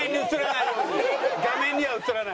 画面には映らない。